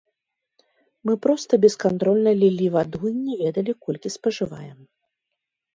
Мы проста бескантрольна лілі ваду і не ведалі, колькі спажываем.